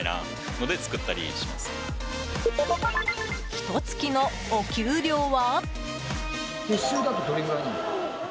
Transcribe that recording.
ひと月のお給料は？